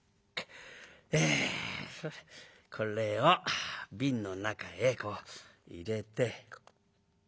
えこれを瓶の中へこう入れて。